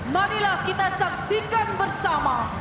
marilah kita saksikan bersama